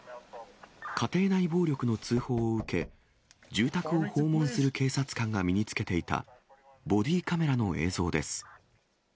家庭内暴力の通報を受け、住宅を訪問する警察官が身につけていたボディーカメラの映像です。